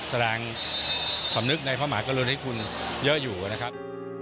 แสดงความนึกในพระมหากรณฑิตคุณเยอะอยู่นะครับ